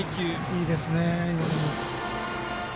いいですね、今のも。